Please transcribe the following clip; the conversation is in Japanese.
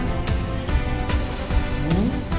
うん？